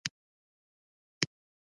هغې د واده د عکسونو کتل ودرول.